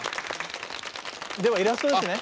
ではイラストですね。